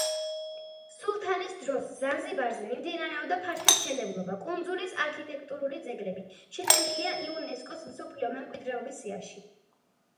სულთანის დროს ზანზიბარზე მიმდინარეობდა ფართე მშენებლობა; კუნძულის არქიტექტურული ძეგლები შეტანილია იუნესკოს მსოფლიო მემკვიდრეობის სიაში.